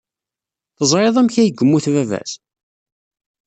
Teẓriḍ amek ay yemmut baba-s?